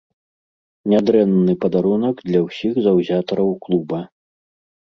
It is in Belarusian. Нядрэнны падарунак для ўсіх заўзятараў клуба.